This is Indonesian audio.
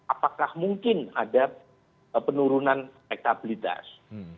apakah mungkin ada penurunan elektabilitas